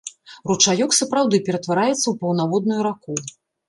Ручаёк сапраўды ператвараецца ў паўнаводную раку.